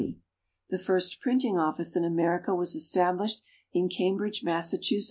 The first printing office in America was established in Cambridge, Mass.